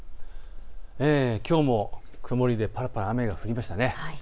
きょうも曇りでぱらぱら雨が降りましたね。